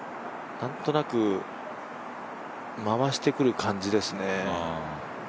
何となく、回してくる感じですね。